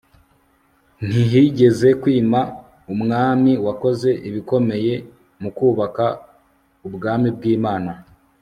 ntihigeze kwima umwami wakoze ibikomeye mu kubaka ubwami bw'imana